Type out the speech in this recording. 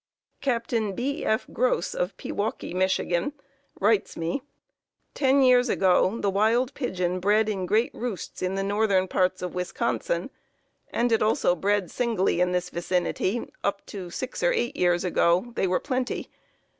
Capt. B. F. Goss, of Peewaukee, Wisconsin, writes me: "Ten years ago the wild pigeon bred in great roosts in the northern parts of Wisconsin, and it also bred singly in this vicinity; up to six or eight years ago they were plenty.